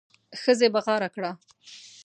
ښځې بغاره کړه.